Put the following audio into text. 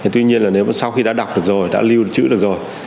tuy nhiên là nếu sau khi đã đọc được rồi đã lưu trữ được rồi